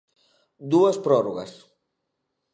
Dúas prorrogas.